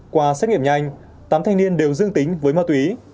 qua xét nghiệm nhanh tám thanh niên đều dương tính với ma túy